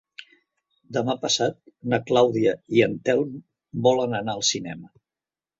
Demà passat na Clàudia i en Telm volen anar al cinema.